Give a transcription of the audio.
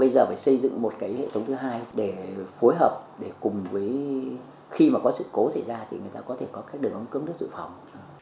bây giờ phải xây dựng một hệ thống thứ hai để phối hợp để cùng với khi mà có sự cố xảy ra thì người ta có thể có các đường ống cơm nước dự phòng